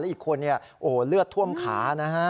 แล้วอีกคนเลือดท่วมขานะฮะ